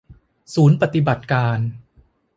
ศูนย์ปฎิบัติการ